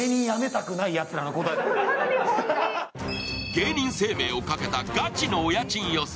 芸人声明をかけたガチのお家賃予想。